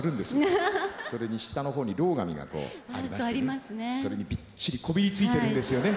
それに下の方にロウ紙がありましてそれにびっちりこびりついてるんですよね